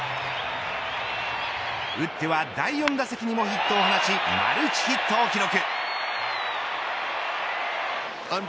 打っては第４打席にもヒットを放ちマルチヒットを記録。